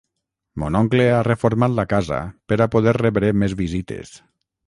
Mon oncle ha reformat la casa per a poder rebre més visites.